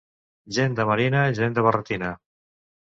Gent de marina, gent de barretina.